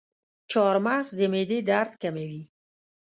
چارمغز د معدې درد کموي.